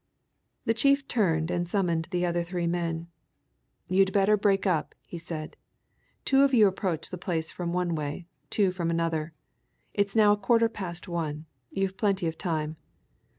The chief turned and summoned the other three men. "You'd better break up," he said. "Two of you approach the place from one way two from another. It's now a quarter past one you've plenty of time.